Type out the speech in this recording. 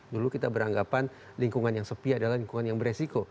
dulu kita beranggapan lingkungan yang sepi adalah lingkungan yang beresiko